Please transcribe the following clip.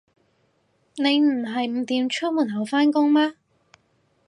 你唔係五點出門口返工咩